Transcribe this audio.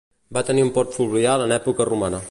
Va tenir un port fluvial en època romana.